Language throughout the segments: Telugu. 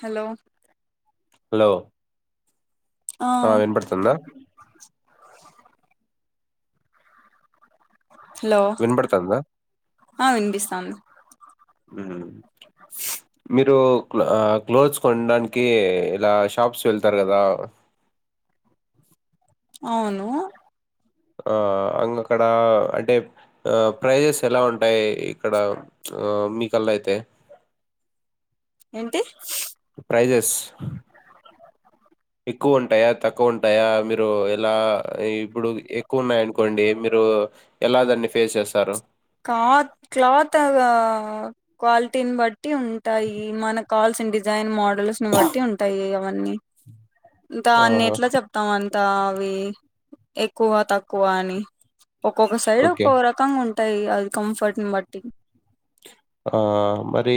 హలో హలో ఆ వినపడుతుందా హలో వినపడుతుందా ఆ వినిపిస్తాంది మ్మ్ మీరు క్లోత్స్ కొనడానికి ఇలా షాప్స్ వెళ్తారు కదా అవును ఆ అంగక్కడ అంటే ఆ ప్రైజెస్ ఎలా ఉంటాయి ఇక్కడ ప్చ్ ఆ మీకల్లయితే ఏంటి ప్రైజెస్ ఎక్కువ ఉంటాయా తక్కువ ఉంటాయా మీరు ఎలా ఇప్పుడు ఎక్కువ ఉన్నాయ అనుకోండి మీరు ఒ ఎలా దాన్ని ఫేస్ చేస్తారు కార్ క్లాత్ ఆ క్వాలిటీని బట్టి ఉంటాయి మనక్ కాల్స్ డిజైన్ మోడల్స్ ని బట్టి ఉంటాయి అవన్నీ దాన్ని ఆహా ఎట్ల చెప్తాం అంత అవి ఎక్కువ తక్కువ అని ఒక్కొక్క సైడ్ ఓకే ఒక్కొ రకంగా ఉంటాయి అది కంఫర్ట్ని బట్టి ఆ మరి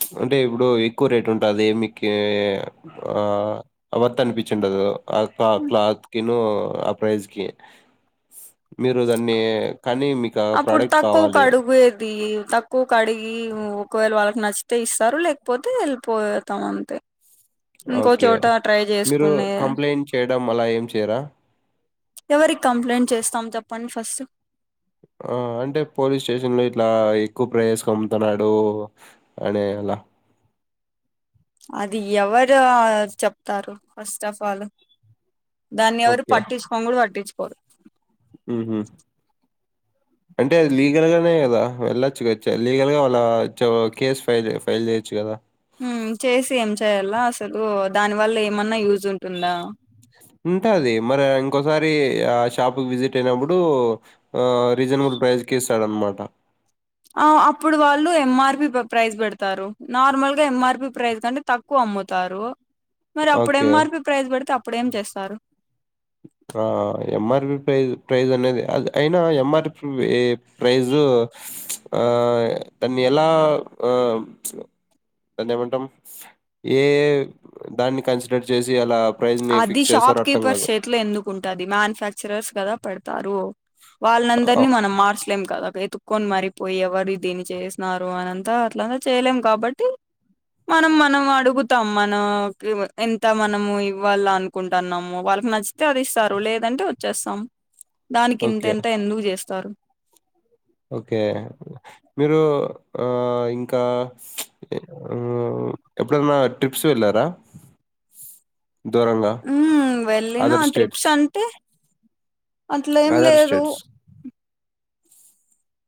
ప్చ్ అంటే ఇప్పుడు ఎక్కువ రేట్ ఉంటుది మికి ఆ వర్త్ అనిపిచుండదు ఆ క్లాత్ కిను ఆ ప్రైజ్ కి మీరు దాన్ని కానీ మీకు ఆ అప్పుడు ప్రోడక్ట్ తక్కువకు కావాలి అడుగేది తక్కువ కడిగి ఒకవేళ వాళ్ళకి నచ్చితే ఇస్తారు లేకపోతే వెళ్ళిపోతాం అంతే ఇంకో ఓకే చోట ట్రై మీరు చేసుకునే కంప్లైంట్ చేయడం అలా ఏం చేయరా ఎవరికి కంప్లైంట్ చేస్తాం చెప్పండి ఫస్ట్ ఆ అంటే పోలీస్ స్టేషన్ లో ఇట్లా ఎక్కువ ప్రవస్ పమ్ముతున్నాడు అనే అ అది ఎవరు చెప్తారు ఫస్ట్ ఆఫ్ ఆల్ దాన్ని ఎవరు ఓకే పట్టించుకోని కూడా పట్టించుకోరు ఉహు అంటే అది లీగల్ గానే కదా వెళ్ళొచ్చుద లీగల్ గా వాళ్ళ కేసు ఫైల్ ఫైల్ చేయొచ్చు కదా చేసి ఏం చేయాలా అసలు దానివల్ల ఏమన్నా యూజ్ ఉంటుందా ఉంటాది మరి ఇంకోసారి ఆ షాప్ క విజిట్ అయినప్పుడు ఆ రీజనబు ప్రైస్కి ఇస్తాడనమాట అప్పుడు వాళ్ళు ఎంఆర్పి ప్రైస్ పెడతారు నార్మల్ గా ఎంఆర్పి ప్రైస్ కంటే తక్కువ అమ్ముతారు మరి అప్పుడు ఓకే. ఎమ్మార్పీ ప్రైస్ పెడితే అప్పుడేం చేస్తారు ఆ ఎంఆర్పి ప్రై ప్రైజ్ అనేది అది అయినా ఎంఆర్పి ప్రైజు ఆ దాన్ని ఎలా ఆ దాన్ని ఏమంటాం ఏ దాన్ని కన్సిడర్ చేసి అలా ప్రైజ్‌ని అది ఫిక్స్ చేస్తారో అర్థం షాప్కీపర్ కాదు. షేట్లో ఎందు ఉంటది మ్యానుఫాక్చరర్స్ కదా పెడతారు అ వాళ్ళందరినీ మనం మార్చలేం కదా వెతుక్కొని మరిపోయి ఎవరు దీన్ని చేసినారు అనంతా అట్లంతా చేయలేం కాబట్టి మనం మనం అడుగుతాం మనం ఎంత మనము వాళ్ళ అనుకుంటున్నాము వాళ్ళకి నచ్చితే అది ఇస్తారు లేదంటే వచ్చేస్తాం దానికి ఓకే. ఇంతెంత ఎందుకు చేస్తారు ఓకే మీరు ఆ ఇంకా ఎప్పుడన్నా ట్రిప్స్ వెళ్ళారా హ వెళ్ళిన అదర్ స్టేట్స్? ట్రిప్స్ అంటే అట్లేం అదర్ లేదు స్టేట్స్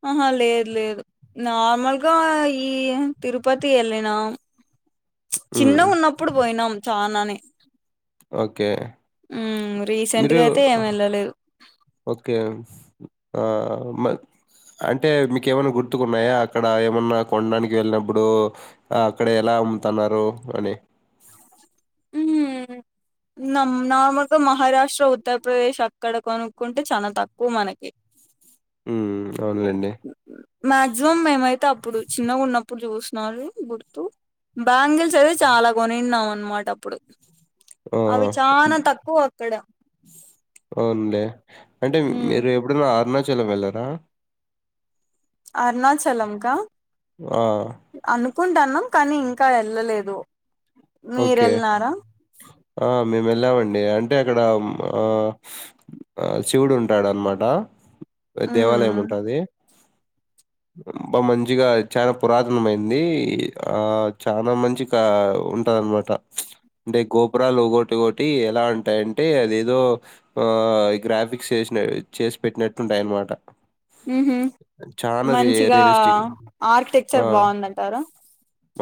ఆహా లేదు లేదు నార్మల్గా ఈ తిరుపతి వెళ్ళినా హ్మ్. చిన్నగా ఉన్నప్పుడు పోయినాం చానానే ఓకే ఉమ్ రీసెంట్ మీరు గా అయితే ఏం వెళ్ళలేదు ఓకే ఆ అంటే మీకు ఏమన్నా గుర్తుకున్నాయా అక్కడ ఏమన్నా కొండానికి వెళ్ళినప్పుడు అక్కడ ఎలా అమ్ముతున్నారు అని ఊ నమ్ నార్మల్గా మహారాష్ట్ర ఉత్తరప్రదేశ్ అక్కడ కొనుక్కుంటే చాలా తక్కువ మనకి హ్మ్. అవునులెండి. మా జూమ్ మేమైతే ఇప్పుడు చిన్నగా ఉన్నప్పుడు చూస్తున్నారు గుర్తు బ్యాంగిల్స్ అయితే చాలా కొని తిన్నాం అనమాట అప్పుడు ఆహా! అవి చాలా తక్కువ అక్కడ అవునులే అంటే ఉమ్ మీరు ఎప్పుడన్నా అరుణాచలం వెళ్ళారా అరుణాచలం కా ఆ కుంటన్నం కానీ ఇంకా వెళ్ళలేదు మీరు ఓకే. ఎల్లిన్నారా ఆ మేము వెళ్ళామండి అంటే అక్కడ శివుడు ఉంటాడు అనమాట దేవాలయం ఉమ్ ఉంటది బా మంచిగా చాలా పురాతన మయింది ఆ చానా మంచిగా ఉ అనమాట అంటే గోపురాలు ఒకటి ఒకటి ఎలా ఉంటాయంటే అదేదో ఆ గ్రాఫిక్స్ చేసి పెట్టినట్లుంటాయి అన్నమాట ఉహు మంచిగా రియలిస్టిక్ ఆ! ఆర్కిటెక్చర్ బాగుందంటార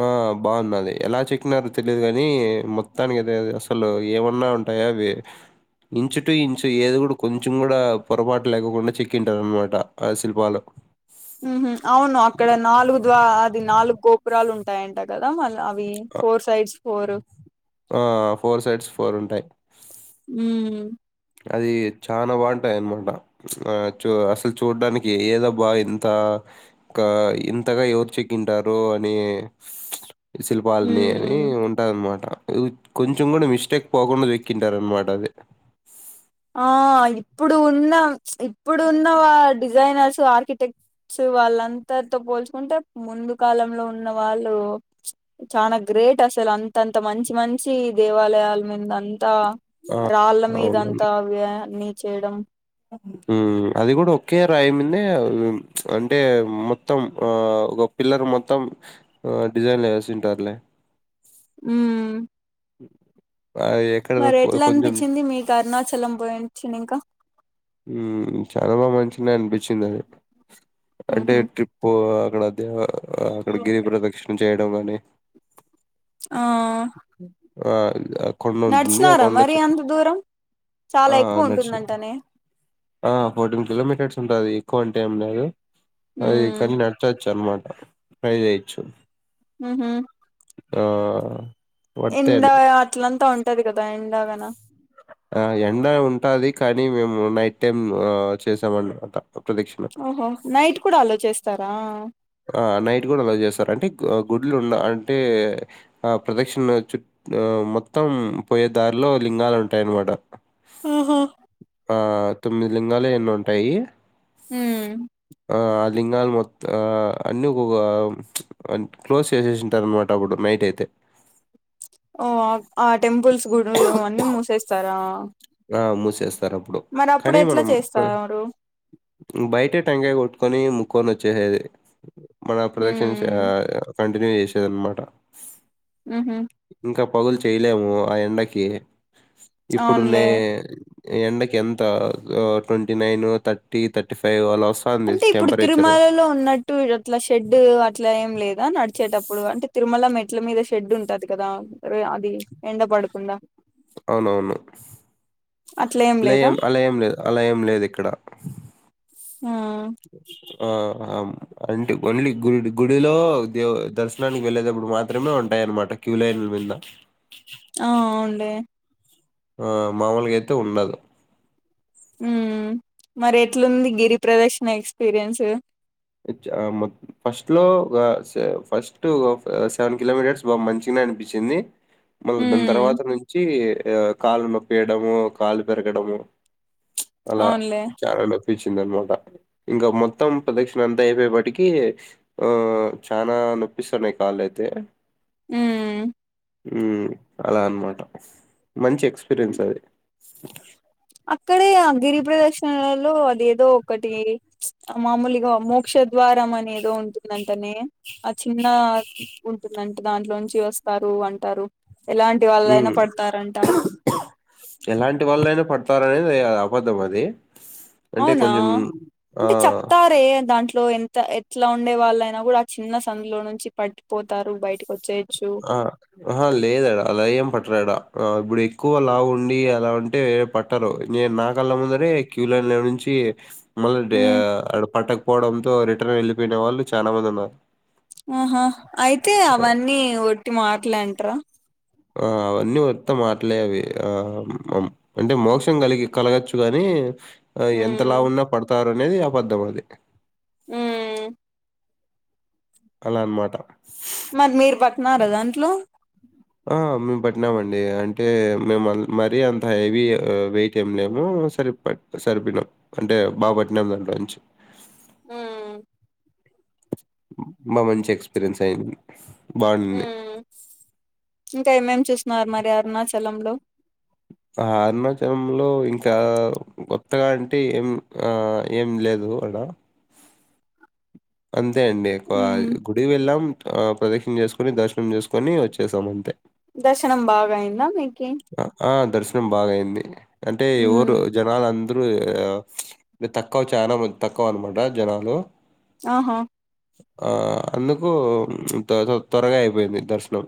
ఆ బాగుందది ఎలా చె చెక్కినరు తెలియదు కాని మొత్తానికి అద అసలు ఏమన్నా ఉంటాయా అవి ఇంచు టు ఇంచు ఏది కూడా కొంచెం కూడా పొరపాటు లేకుండా చెక్కింటారు అనమాట ఆ శిల్పాలు అవును అక్కడ నాలుగు ద్వ అది నాలుగు గోపురాలు ఉంటాయంట కదా మళ్ళ అవి ఫోర్ సైడ్స్ ఫోర్ ఆ ఫోర్ సైడ్స్ ఫోర్ ఉంటాయి ఉమ్ అది చాలా బాగుంటాయి అన్నమాట చూ అసలు చూడ్డానికి ఏదబ్బ ఇంత ఇకా ఇంతగా ఎవరు చెకుంటారు అనీ శిల్పాలని అని ఉమ్ ఉంటదన్నమాట కొంచెం కూడా మిస్టేక్ పోకుండా చక్కింటారు అనమాట అది ఆ ఇప్పుడు ఉన్న ఇప్పుడున్న వా డిజైనర్స్ ఆర్కిటెక్ట్స్ వాళ్ళంతరితో పోల్చుకుంటే ముందు కాలంలో ఉన్న వాళ్ళు చానా గ్రేట్ అసలు అంతంత మంచి మంచి దేవాలయాల మీంద అంత ఆ ంత రాళ్ళ మీదంతా అవునండి. నీ చేయడం అది కూడా ఒకే రాయి మీదనే అంటే మొత్తం ఆ పిల్లర్ మొత్తం డిజైన్లు వేసింటారులే ఉమ్ అ మరి ఎట్లా అనిపించింది మీకు అరుణాచలం పోయించినింకా చాలా బాగా మంచిగనే అనిపించింది అది అంటే ఉహు ట్రిప్పు అక్కడ ధ అక్కడ గిరి ప్రదక్షిణ చేయడం కాని ఆ ఆ ఆ కొండ ఉంటుంది ఆ నడిచినారా కొండ మరి చుట్టు అంత దూరం చాలా ఆ ఎక్కువ దర్శనం ఉంటుందంటనే ఆ ఫోర్టీన్ కిలోమీటర్స్ ఉంటది ఎక్కువ అంటే ఏం లేదు అది ఉమ్ కాని నడచవచ్చు అనమాట ట్రై చేయొచ్చు ఉహు ఆ వర్తే ఎండా అది అట్లంతా ఉంటది కదా ఎండాగాన ఆ ఎండ ఉంటది కానీ మేము నైట్ టైమ్ చేసామ అన్నమాట ఓహో నైట్ కూడా అలో చేస్తారా ఆ నైట్ కూడా అలా చేస్తారు అంటే గుడ్లు ఉన్న అంటే ఆ ప్రదక్షిణ చు ఆ మొత్తం పోయే దారిలో లింగాలు ఉంటాయన్నమాట ఓహో ఆ తొమ్మిది లింగాలు ఎన్న ఉంటాయి హుమ్ లింగాల్ మొత్త ఆ అన్నీ ఒకొక క్లోజ్ చేసేసింటారు అనమాట అప్పుడు నైట్ అయితే ఓ ఆ టెంపుల్స్ గుడులు అన్నీ మూసేస్తారా ఆ మూసేస్తా ర్ అప్పుడు మరి అప్పుడు కానీ ఎట్లా మనం చేస్తారు బయట టంకాయ కొట్టుకొని కొని వచ్చేసేది మన ప్రదక్షిణ ఉమ్ కంటిన్యూ చేసేది అనమాట ఉహు పగులు చేయలేము ఆ ఎండకి ఇప్పుడు నే అవునులే ఎండకి ఎంత twenty nine thirty thirty five అలా వస్తాంది అంటే ఇప్పుడు టెంపరేచరు. తిరుమలలో ఉన్నట్టు అట్లా షెడ్ అట్లా ఏం లే ద నడిచేటప్పుడు అంటే తిరుమల మెట్ల మీద షెడ్ ఉంటది కదా రే అది ఎండ పడకుండా అవునవును అట్లా ఏం లేదా లయం అల ఏం అల ఏం లేదు ఇక్కడ ఆ ఆ అంటి ఒన్లీ గుడి గుడిలో దే దర్శ్ నానికి వెళ్ళేటప్పుడు మాత్రమే ఉంటాయి అన్నమాట క్యూలైన్ల మింద ఆ అవుండే ఆ మామూలుగా అయితే ఉండదు ఉమ్ మరి ఎట్లుంది గిరి ప్రదర్క్షిణ ఎక్స్పీరియన్స్ ఫస్ట్ లో ఫస్ట్ సెవెన్ కిలోమీటర్స్ బా మంచిగా అనిపిచింది మళ్ళీ దాని ఉమ్ తర్వాత నుంచి ఆ కాలు నొప్పియడము కాలు పెరగడము అలా అవునులే చాలా నప్పిచింది అనమాట ఇంక మొత్తం ప్రదక్షి అంత అయిపోయే బాటికి ఆ చానా నొప్పిస్తున్నాయి కాళ్ళైతే ఉమ్ మ్మ్ అలా అనమాట మంచి ఎక్స్పీరియన్స్ అది అక్కడే ఆ గిరి ప్రదక్షిణలలో అది ఏదో ఒకటి మామూలుగా మోక్ష ద్వారం అనేదో ఉంటుందంటనే ఆ చిన్న ఉంటుందంట దాంట్లోంచి వస్తారు అంటారు ఎలాంటి వాళ్ళైనా మ్మ్ పడతారంట ఎలాంటి వాళ్ళైనా పడతారే అబద్దమది అవునా అంటే చెప్తారే దాంట్లో ఎట్లా ఉండే వాళ్ళైనా గూడా చిన్న సందులో నుంచి పట్టిపోతారు బయటకి వచ్చే ఆ అహ లేదాడ అలా ఏం పట్రాడా ఇబుడు ఎక్కువ లావుండి అలా ఉంటే పట్టరు నే నా కళ్ళ ముందరే క్యూ లైన్లో నుంచి మళ్ళ ఉమ్ ఆడ పట్టకపోవడంతో రిటర్న్ వెళ్ళిపోయిన వాళ్ళు చానా మంది ఉన్నారు ఆహా అయితే అవన్నీ ఒట్టి మాట్లెంటరా ఆ అవన్నీ వుత్త మాట్లే అవి ఆ అంటే మోక్షం కలిగి కలగొచ్చు గాని ఎంత లావున్నా పడతారు అనేది అబద్ధం అది మ్మ్ అలా అన్మాట మరి మీరు పట్టినారా దాంట్లో ఆ మేము పట్టినామండి అంటే మేము మరీ అంత హెవీ వెయిట్ ఏం లేము సరిపొయ్ సరిపొయినమ్ అంటే బా పట్టినాము దాంలోంచి బా మంచి ఎక్స్పీరియన్స్ అయింది బావునింది ఇంకా ఏమేమి చూస్నారు మరి అరుణాచలంలో అరుణాచలంలో ఇంకా కొత్తగా అంటే ఏం ఆ ఏం లేదు గు అడ అంతే అండి ఎక్కువ గుడి వెళ్ళాం ఆ ప్రదక్షిణ చేసుకొని దర్శనం చేసుకొని వచ్చేసాం అంతే దర్శనం బాగ అయిందా మీ ఆ దర్శనం బాగైంది అంటే ఎవరు జనాలంద్ తక్కువ చానామంద్ తకువ్ అన్మాట జనాలు ఆహా ఆ అందుకు త్వరగా అయిపోయింది దర్శనం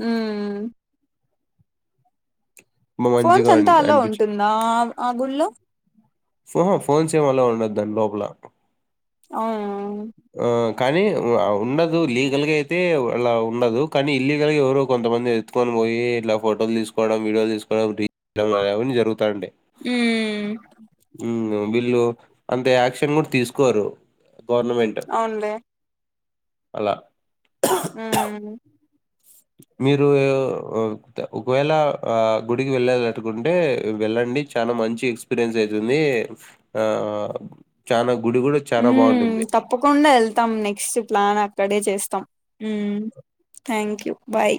మ్మ్ మ ఫోన్స్ మంచిగా అన్ అంతా అలో అనిపిచ్చి ఉంటుందా ఆ గుళ్ళో ఫోన్స్ ఏమలో ఉండదు దాని లోపల అవున ఆహ్, కానీ ఉండదు లీగల్ గా అయితే అలా ఉండదు కానీ ఇల్లీగల్ గా ఎవరో కొంతమంది ఎత్తుకోని పొయ్యి ఇట్లా ఫోటోలు తీసుకోవడం వీడియోలు తీసుకోవడం రీ అవని జరుగుతాంటయి మ్మ్ వీళ్ళు అంత యాక్షన్ గుడ తీసుకోరు గవర్నమెంట్ అలా ఉమ్ మీరు ఒకవేళ ఆ గుడికి వెళ్ళాలట్టుకుంటే వెళ్ళం మీకు చాలా మంచి ఎక్స్పీరియన్స్ అయితుంది చాలా మ్మ్ తప్పకుండా వెళ్తాం నెక్స్ట్ ప్లాన్ అక్కడే చేస్తాం మ్మ్ థ్యాంక్ యూ బాయ్